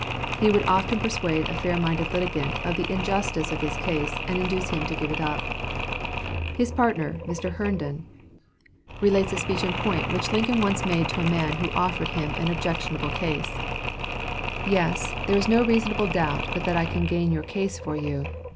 He would often persuade a fair minded litigant of the injustice of his case and induce him to give it up. His partner, Mr. Herndon, relates a speech in point which Lincoln once made to a man who offered him an objectionable case: "Yes, there is no reasonable doubt but that I can gain your case for you.